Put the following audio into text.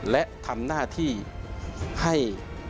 และทำหน้าที่ให้